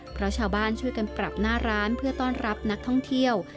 เพราะชาวบ้านช่วยกันปรับหน้าร้านเพื่อต้อนรับนักท่องเที่ยว